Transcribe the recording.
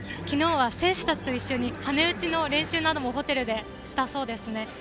昨日は選手たちと一緒に羽根打ちの練習などもホテルでしたそうですね。